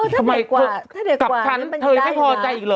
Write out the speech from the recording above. ทำไมเขากลับฉันเธอไม่พอใจอีกหรอ